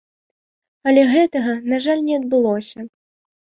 Але гэтага, на жаль, не адбылося.